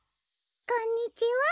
こんにちは。